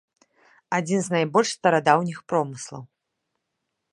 Адзін з найбольш старадаўніх промыслаў.